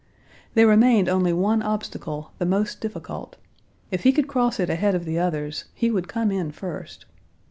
There remained only one obstacle, the most difficult; if he could cross it ahead of the others he would come in first.